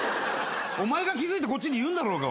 お前が気付いてこっちに言うんだろうが。